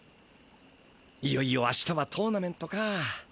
いよいよあしたはトーナメントか。